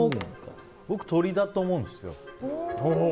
僕、鳥だと思うんですよ。